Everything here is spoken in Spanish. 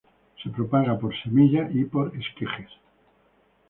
Se propaga por semillas y por esquejes.